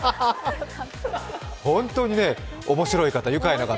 本当に面白い方、愉快な方。